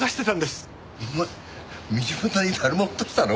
お前道端にだるま落としたの？